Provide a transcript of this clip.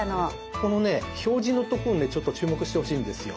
ここのね表示のところにちょっと注目してほしいんですよ。